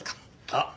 あっ！